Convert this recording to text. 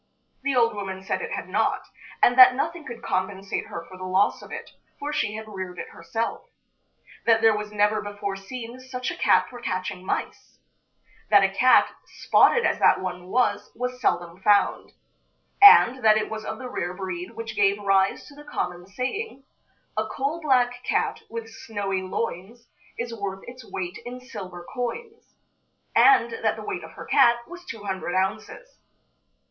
The old woman said it had not, and that nothing could compensate her for the loss of it, for she had reared it herself; that there was never before seen such a cat for catching mice; that a cat, spotted as that one was, was seldom found; and that it was of the rare breed which gave rise to the common saying: "A coal black cat, with snowy loins, Is worth its weight in silver coins." and that the weight of her cat was two hundred ounces.